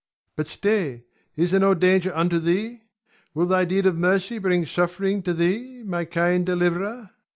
But, stay! is there no danger unto thee? Will thy deed of mercy bring suffering to thee, my kind deliverer?